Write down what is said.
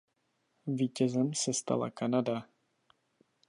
Vítězem se stala Kanada.